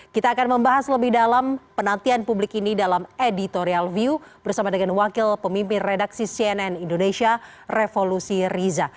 kita akan membahas lebih dalam penantian publik ini dalam editorial view bersama dengan wakil pemimpin redaksi cnn indonesia revolusi riza